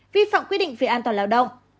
vi phạm quyết định về an toàn lao động